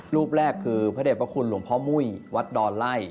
รูปแรกคือพระเด็จพระคุณหลวงพ่อมุ้ยวัดดอนไล่